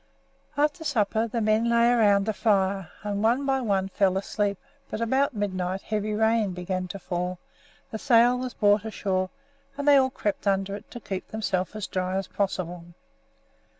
After supper the men lay around the fire, and one by one fell asleep; but about midnight heavy rain began to fall, the sail was brought ashore, and they all crept under it to keep themselves as dry as possible.